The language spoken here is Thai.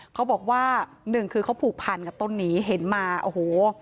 เขาบอกว่าหนึ่งคือเขาผูกพันกับต้นนี้เห็นมาโอ้โห